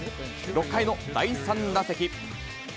６回の第３打席。